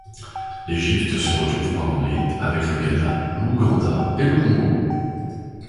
L'Égypte se retrouve pendant les avec le Ghana, l'Ouganda et le Congo.